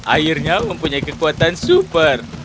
akhirnya mempunyai kekuatan super